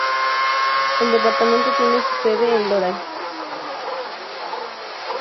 El departamento tiene su sede en Doral.